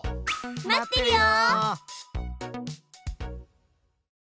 待ってるよ！